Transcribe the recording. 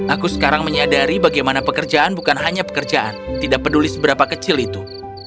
aku sekarang menyadari bagaimana pekerjaan bukan hanya pekerjaan tidak peduli seberapa kecil itu